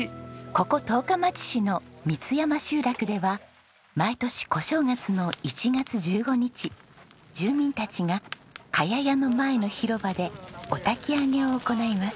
ここ十日町市の三ツ山集落では毎年小正月の１月１５日住民たちが茅屋やの前の広場でお焚き上げを行います。